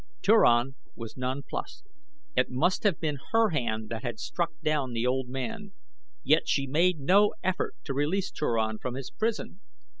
Turan was nonplussed. It must have been her hand that had struck down the old man, yet she had made no effort to release Turan from his prison.